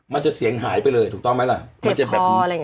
มันจะเสียงหายไปเลยถูกต้องไหมล่ะเจ็บคออะไรอย่างเงี้ยใช่ไหม